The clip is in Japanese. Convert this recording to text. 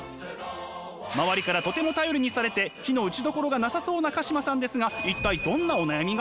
周りからとても頼りにされて非の打ちどころがなさそうな鹿島さんですが一体どんなお悩みが？